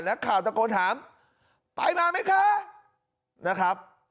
นักข่าวตะโกนถามไปมาไหมคะนะครับ